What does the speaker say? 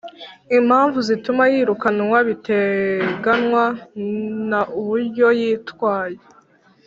impamvu zituma yirukanwa biteganywa na uburyo yitwaye